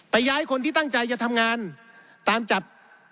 ย้ายคนที่ตั้งใจจะทำงานตามจับ